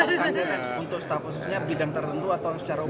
itu staf khususnya bidang tertentu atau secara umum